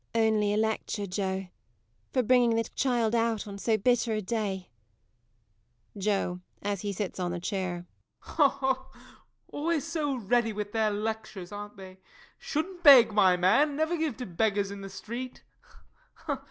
MARY. Only a lecture, Joe, for bringing the child out on so bitter a day. JOE. [With a sour laugh, as he sits on a chair.] Ho, ho! Always so ready with their lectures, aren't they? "Shouldn't beg, my man! Never give to beggars in the street!"